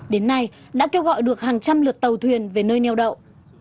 đến nay đã kêu gọi được hàng trăm lượt tàu thuyền về nơi neo đậu